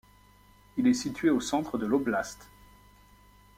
Il est situé au centre de l'oblast.